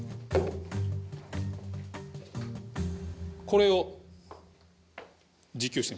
これを。